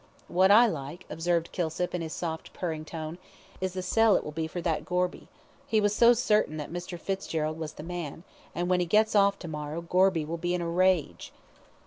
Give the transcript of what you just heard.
"What I like," observed Kilsip, in his soft, purring tone, "is the sell it will be for that Gorby. He was so certain that Mr. Fitzgerald was the man, and when he gets off to morrow Gorby will be in a rage."